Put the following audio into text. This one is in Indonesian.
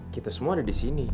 kita semua ada di sini